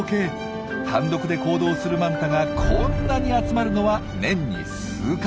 単独で行動するマンタがこんなに集まるのは年に数回。